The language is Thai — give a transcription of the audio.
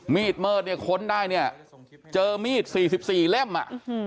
มีดเมิดเนี่ยค้นได้เนี่ยเจอมีด๔๔เล่มอ่ะ